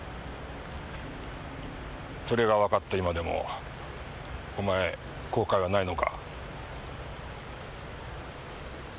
それがわかった今でもお前後悔はないのか？